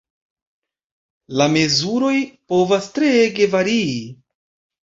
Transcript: La mezuroj povas treege varii.